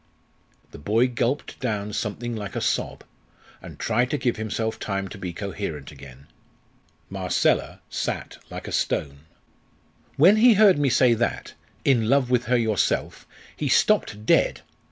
The boy gulped down something like a sob, and tried to give himself time to be coherent again. Marcella sat like a stone. "When he heard me say that 'in love with her yourself,' he stopped dead.